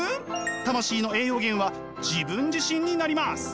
魂の栄養源は自分自身になります。